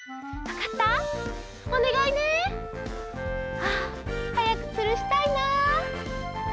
あはやくつるしたいな。